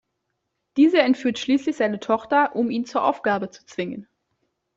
Diese entführt schließlich seine Tochter, um ihn zur Aufgabe zu zwingen.